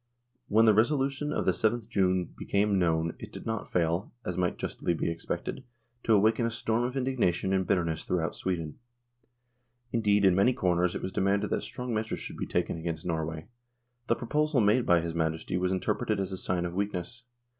When the resolution of the 7th June became known, it did not fail, as might justly be expected, to awaken a storm of indignation and bitterness through out Sweden. Indeed in many quarters it was demanded that strong measures should be taken against Norway. The proposal made by his Majesty was interpreted as a sign of weakness.